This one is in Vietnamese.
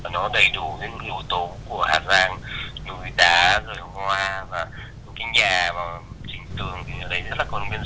núi đa rồi hồng hoa và những cái nhà và trình tường